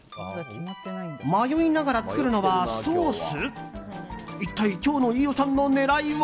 迷いながら作るのはソース？